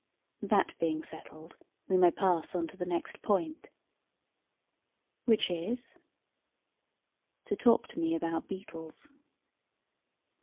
That being settled, we may pass on to the next point." "Which is?" "To talk to me about beetles."